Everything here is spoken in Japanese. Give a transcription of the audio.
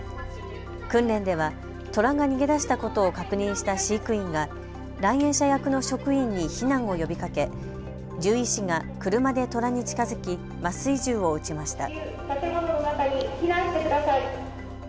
訓練ではトラが逃げ出したことを確認した飼育員が来園者役の職員に避難を呼びかけ獣医師が車でトラに近づき麻酔銃を撃ちました。